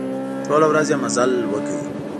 ټوله ورځ يې مزل وکړ.